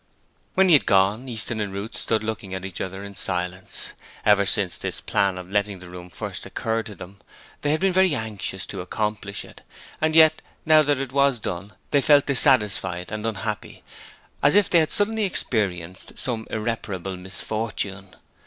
When he had gone, Easton and Ruth stood looking at each other in silence. Ever since this plan of letting the room first occurred to them they had been very anxious to accomplish it; and yet, now that it was done, they felt dissatisfied and unhappy, as if they had suddenly experienced some irreparable misfortune.